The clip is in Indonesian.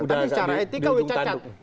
tapi secara etika udah cacat